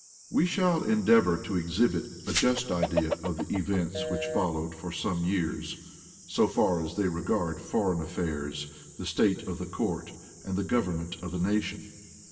We shall endeavor to exhibit a just idea of the events which followed for some years, so far as they regard foreign affairs, the state of the court, and the government of the nation.